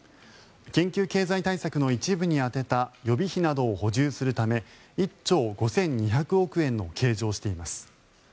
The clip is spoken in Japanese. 緊急経済対策の一部に充てた予備費などを補充するため１兆５２００億円を計上しています。